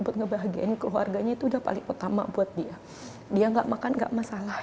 buat ngebahagiain keluarganya itu udah paling utama buat dia dia enggak makan enggak masalah